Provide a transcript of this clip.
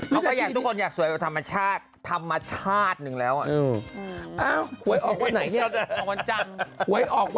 ทุกคนอยากสวยแบบธรรมชาติธรรมชาติหนึ่งแล้ว